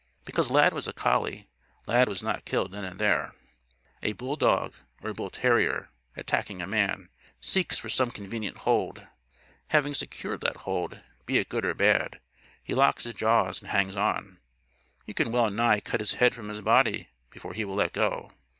Because Lad was a collie, Lad was not killed then and there. A bulldog or a bull terrier, attacking a man, seeks for some convenient hold. Having secured that hold be it good or bad he locks his jaws and hangs on. You can well nigh cut his head from his body before he will let go.